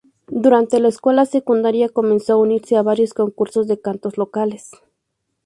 Durante la escuela secundaria, comenzó a unirse a varios concursos de cantos locales.